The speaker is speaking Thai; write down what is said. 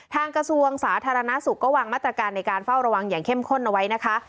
กระทรวงสาธารณสุขก็วางมาตรการในการเฝ้าระวังอย่างเข้มข้นเอาไว้นะคะ